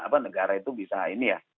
apa negara itu bisa ini ya